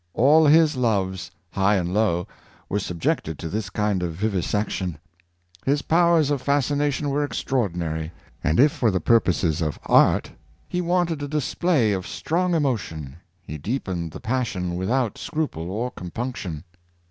All his loves, high and low, were subjected to this kind of vivisection. His powers of fascination were extraordinary; and if for the purposes of art, he wanted a display of strong emotion, he deepened the passion without scruple or compunction.